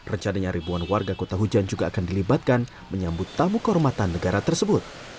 rencananya ribuan warga kota hujan juga akan dilibatkan menyambut tamu kehormatan negara tersebut